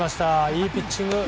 いいピッチング。